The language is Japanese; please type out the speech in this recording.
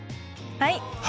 はい。